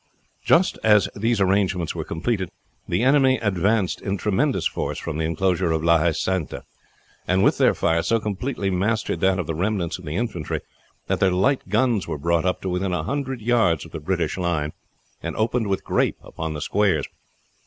Just as these arrangements were completed the enemy advanced in tremendous force from the inclosure of La Haye Sainte, and with their fire so completely mastered that of the remnants of the infantry, that their light guns were brought up to within a hundred yards of the British line and opened with grape upon the squares.